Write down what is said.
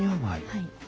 はい。